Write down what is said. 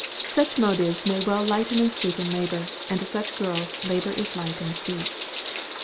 Such motives may well lighten and sweeten labor; and to such girls labor is light and sweet.